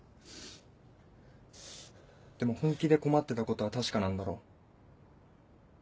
でも本気で困ってたことは確かなんだろ？